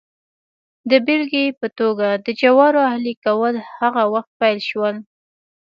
د بېلګې په توګه د جوارو اهلي کول هغه وخت پیل شول